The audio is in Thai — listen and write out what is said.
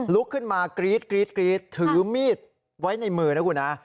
ลุกขึ้นมากรี๊ดกรี๊ดถือมีดไว้ในมือนะคุณฮะ